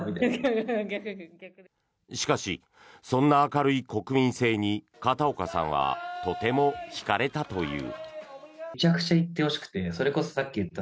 しかし、そんな明るい国民性に片岡さんはとても引かれたという。